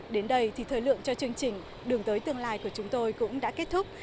đến đây thì thời lượng cho chương trình đường tới tương lai của chúng tôi cũng đã kết thúc